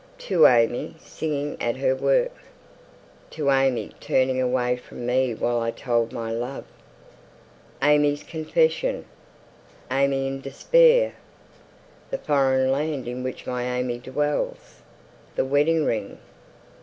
"To AimÄe, Singing at her Work." "To AimÄe, Turning away from me while I told my Love." "AimÄe's Confession." "AimÄe in Despair." "The Foreign Land in which my AimÄe dwells." "The Wedding Ring."